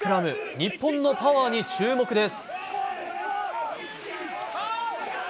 日本のパワーに注目です。